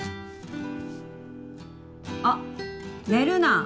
あっ寝るな！